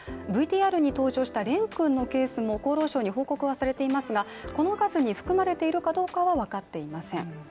ＶＴＲに登場した蓮君のケースも厚労省に報告はされていますが、この数に含まれているかどうかはわかっていません。